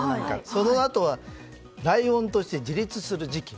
そのあとはライオンとして自立する時期。